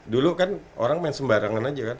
dulu kan orang main sembarangan aja kan